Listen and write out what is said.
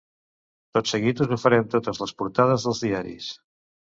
Tot seguit us oferim totes les portades dels diaris.